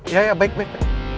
ya ya baik baik